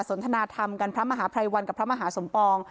นทนาธรรมกันพระมหาภัยวันกับพระมหาสมปอง